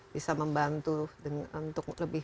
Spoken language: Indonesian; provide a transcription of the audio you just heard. bisa membantu untuk lebih